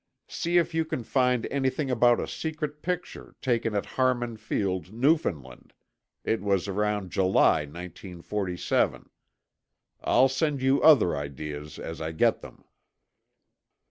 See if you can find anything about a secret picture, taken at Harmon Field, Newfoundland—it was around July 1947. I'll send you other ideas as I get them."